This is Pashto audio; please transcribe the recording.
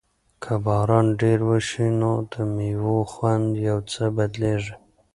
که باران ډېر وشي نو د مېوو خوند یو څه بدلیږي.